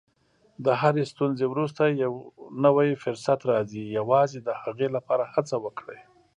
د هرې ستونزې وروسته یو نوی فرصت راځي، یوازې د هغې لپاره هڅه وکړئ.